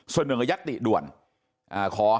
เสนอยัตติด้วยนะครับ